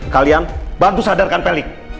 kalian bantu sadarkan pak riki